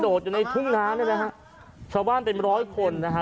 อยู่ในทุ่งน้ำเนี่ยนะฮะชาวบ้านเป็นร้อยคนนะฮะ